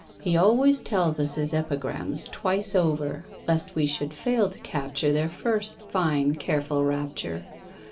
He always tells us his epigrams twice over, lest we should fail to capture their first fine careful rapture.